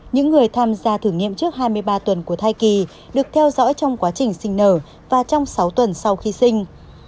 những người tham gia thử nghiệm trước hai mươi ba tuần của thai kỳ được theo dõi trong quá trình sinh nở và trong sáu tuần sau khi sinh